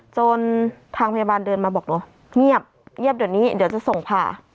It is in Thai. จนทางพยาบาลเดินมาบอกหนูเงียบเงียบเดี๋ยวนี้เดี๋ยวจะส่งผ่า